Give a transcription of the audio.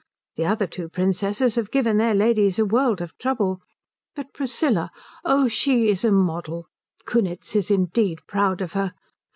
The other two Princesses have given their ladies a world of trouble, but Priscilla oh, she is a model. Kunitz is indeed proud of her.